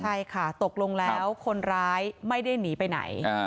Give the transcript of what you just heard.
ใช่ค่ะตกลงแล้วคนร้ายไม่ได้หนีไปไหน